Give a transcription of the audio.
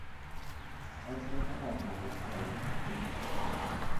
Ez volt a harmadik bajnoki címe.